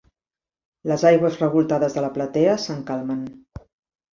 Les aigües revoltades de la platea s'encalmen.